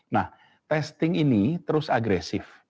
nah testing ini terus agresif